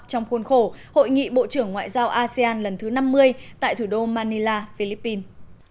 trong khuôn khổ hội nghị bộ trưởng ngoại giao asean lần thứ năm mươi tại thủ đô manila philippines